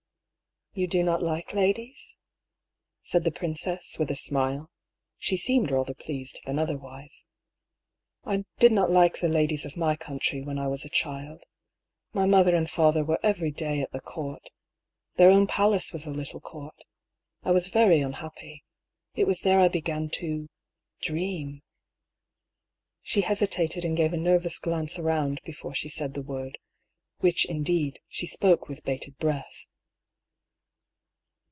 " You do not like ladies ?" said the princess, with a smile. (She seemed rather pleased than otherwise.) " I did not like the ladies of my country when I was a child. My mother and father were every day at the Court. Their own palace was a little Court. I was very unhappy. It was there I began to dream." She hesitated and gave a nervous glance around be fore she said the word, which, indeed, she spoke with bated breath.